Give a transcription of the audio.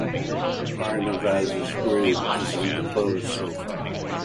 Pharnavaz's grave is undisclosed so far.